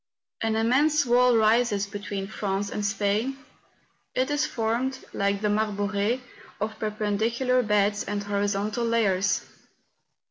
An immense wall rises between France and Spain; it is formed, like the Marbore, of perpendicular beds and horizontal layers.